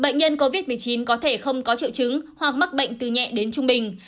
bệnh nhân covid một mươi chín có thể không có triệu chứng hoặc mắc bệnh từ nhẹ đến trung bình